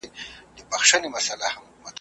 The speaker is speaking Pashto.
چې ځینې وخت ځان لږ ناپوه وښیې